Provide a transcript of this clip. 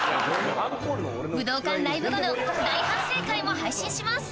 武道館ライブ後の大反省会も配信します